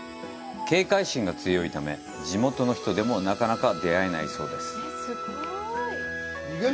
警戒心が強いため、地元の人でもなかなか出会えないそうです。